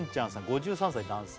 ５３歳男性